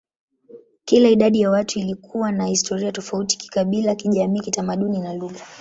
Kila idadi ya watu ilikuwa na historia tofauti kikabila, kijamii, kitamaduni, na lugha.